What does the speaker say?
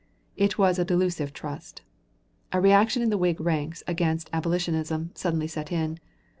It was a delusive trust. A reaction in the Whig ranks against "abolitionism" suddenly set in.